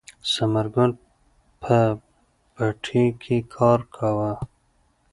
ثمر ګل په پټي کې کار کاوه.